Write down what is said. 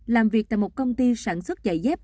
làm việc tại một công ty sản xuất giày dép